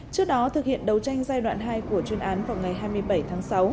trước đó thực hiện đấu tranh giai đoạn hai của chuyên án vào ngày hai mươi bảy tháng sáu